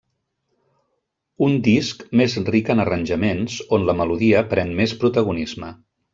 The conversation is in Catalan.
Un disc més ric en arranjaments, on la melodia pren més protagonisme.